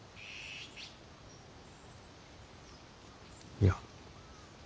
いや。